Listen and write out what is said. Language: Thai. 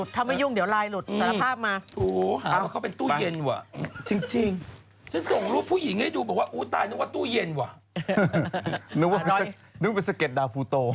ที่มีค่อยยอมรู้จักรึเปล่า